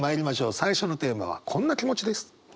最初のテーマはこんな気持ちです。